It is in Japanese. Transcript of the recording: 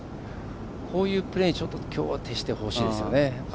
こういうプレーに徹してほしいですよね。